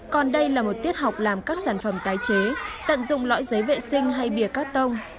còn đây là một tiết học làm các sản phẩm tái chế tận dụng lõi giấy vệ sinh hay bìa cắt tông